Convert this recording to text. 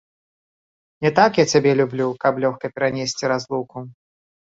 Не так я цябе люблю, каб лёгка перанесці разлуку.